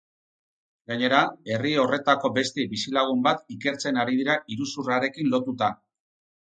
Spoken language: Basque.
Gainera, herri horretako beste bizilagun bat ikertzen ari dira iruzurrarekin lotuta.